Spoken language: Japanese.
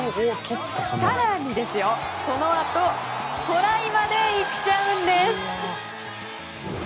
更に、そのあとトライまで行っちゃうんです。